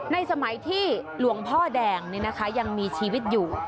ในสมัยที่หลวงพ่อแดงเนี่ยนะคะยังมีชีวิตอยู่